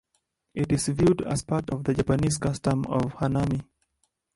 It is viewed as part of the Japanese custom of Hanami.